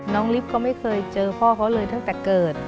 ลิฟต์ก็ไม่เคยเจอพ่อเขาเลยตั้งแต่เกิด